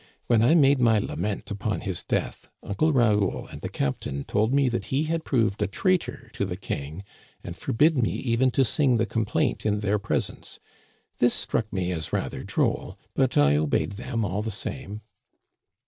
When I made my lament upon his death, Uncle Raoul and the captain told me that he had proved a traitor to the king, and forbid me even to sing the com plaint in their presence. This struck me as rather droll, but I obeyed them all the same."